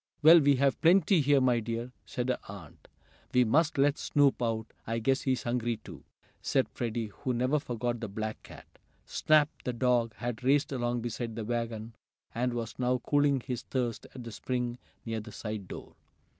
"Well, we have plenty here, my dear," said her aunt. "We must let Snoop out. I guess he's hungry, too," said Freddie, who never forgot the black cat. Snap, the dog, had raced along beside the wagon, and was now cooling his thirst at the spring near the side door.